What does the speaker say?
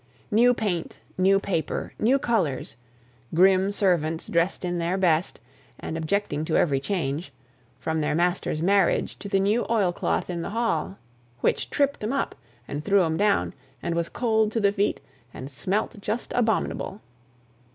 New paint, new paper, new colours; grim servants dressed in their best, and objecting to every change from their master's marriage to the new oilcloth in the hall, "which tripped 'em up, and threw 'em down, and was cold to the feet, and smelt just abominable."